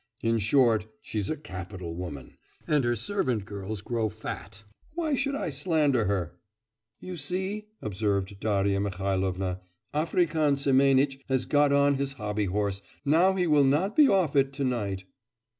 In short, she's a capital woman, and her servant girls grow fat. Why should I slander her?' 'You see,' observed Darya Mihailovna, 'African Semenitch has got on his hobbyhorse, now he will not be off it to night.